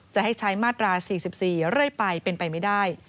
จะให้ใช้มาตรา๔๔เรื่อยไปเป็นไปไม่ได้